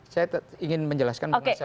saya ingin menjelaskan masalah sedikit aja